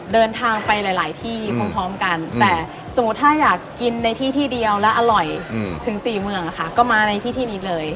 เดินทางไปหลายที่พร้อมกันแต่สมมุติถ้าอยากกินในที่ที่เดียวและอร่อยถึง๔เมืองอะค่ะก็มาในที่ที่นี้เลย